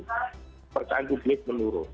kepercayaan publik menurun